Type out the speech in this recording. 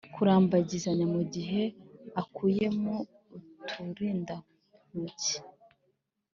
kurambagizanya mugihe akuyemo uturindantoki.